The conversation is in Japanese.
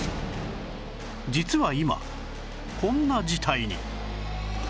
実は今こんな事態に